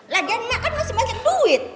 lagian mak kan masih mahalin duit